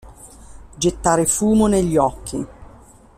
Gettare fumo negli occhi.